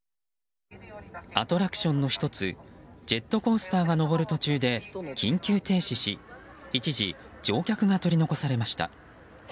アトラクションの１つジェットコースターが上る途中で緊急停止し一時、乗客が取り残されました。